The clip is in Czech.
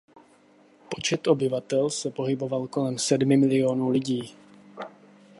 Počet obyvatel se pohyboval kolem sedmi miliónů lidí.